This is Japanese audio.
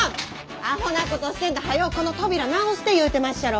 アホなことしてんとはようこの扉直して言うてまっしゃろ！